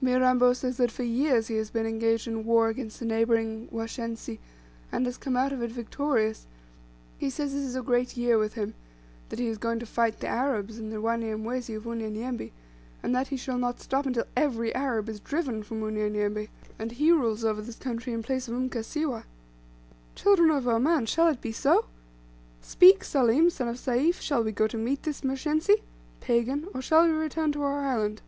"Mirambo says that for years he has been engaged in war against the neighbouring Washensi and has come out of it victorious; he says this is a great year with him; that he is going to fight the Arabs, and the Wanyamwezi of Unyanyembe, and that he shall not stop until every Arab is driven from Unyanyembe, and he rules over this country in place of Mkasiwa. Children of Oman, shall it be so? Speak, Salim, son of Sayf, shall we go to meet this Mshensi (pagan) or shall we return to our island?"